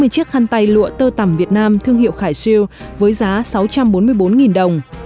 hai mươi chiếc khăn tay lụa tơ tằm việt nam thương hiệu khải siêu với giá sáu trăm bốn mươi bốn đồng